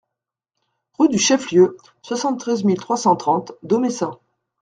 Rue du Chef-Lieu, soixante-treize mille trois cent trente Domessin